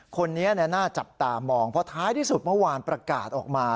คนนี้น่าจับตามองเพราะท้ายที่สุดเมื่อวานประกาศออกมา